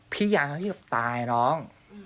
พี่อยากให้พี่กับตายน้อง